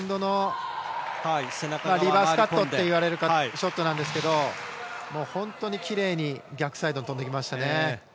リバースカットといわれるショットなんですけど本当にきれいに逆サイドに飛んできましたね。